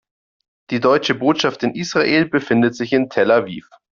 Die Deutsche Botschaft in Israel befindet sich in Tel Aviv.